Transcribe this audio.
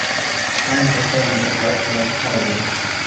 Find the films at ArcLight Hollywood.